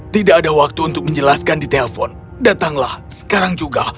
tidak ada waktu untuk menjelaskan di telpon datanglah sekarang juga